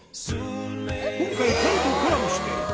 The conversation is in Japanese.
今回彼とコラボしてえっ？